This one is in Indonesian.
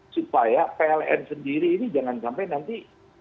supaya pln sendiri ini jangan sampai nanti